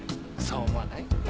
そう思わない？